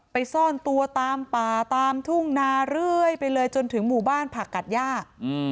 ซ่อนตัวตามป่าตามทุ่งนาเรื่อยไปเลยจนถึงหมู่บ้านผักกัดย่าอืม